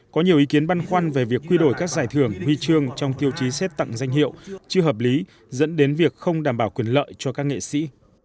có nhiều ý kiến băn khoăn về việc quy đổi các giải thưởng huy chương trong tiêu chí xét tặng danh hiệu chưa hợp lý dẫn đến việc không đảm bảo quyền lợi cho các nghệ sĩ